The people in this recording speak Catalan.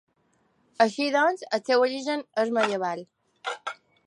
Així doncs el seu origen és medieval.